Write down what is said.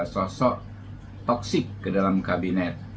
sosok toxic ke dalam kabinet